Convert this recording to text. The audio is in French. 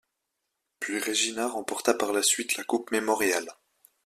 Puis Regina remporta par la suite la Coupe Memorial.